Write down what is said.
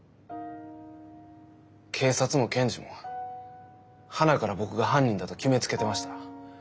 警察も検事もはなから僕が犯人だと決めつけてました。